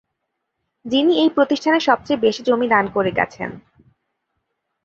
যিনি এই প্রতিষ্ঠানের সবচেয়ে বেশি জমি দান করে গেছেন।